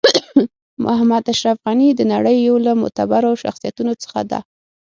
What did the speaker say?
محمد اشرف غنی د نړۍ یو له معتبرو شخصیتونو څخه ده .